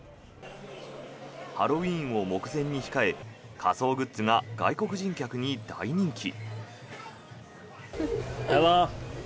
ハロウィーンを目前に控え仮装グッズが外国人客に大人気。